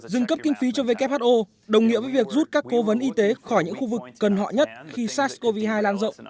dừng cấp kinh phí cho who đồng nghĩa với việc rút các cố vấn y tế khỏi những khu vực cần họ nhất khi sars cov hai lan rộng